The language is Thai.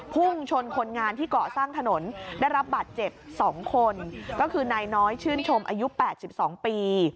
พุ่งชนคนงานที่เกาะสร้างถนนได้รับบาดเจ็บ๒คนก็คือนายน้อยชื่นชมอายุ๘๒ปี